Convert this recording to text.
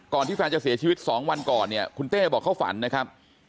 ที่แฟนจะเสียชีวิต๒วันก่อนเนี่ยคุณเต้บอกเขาฝันนะครับ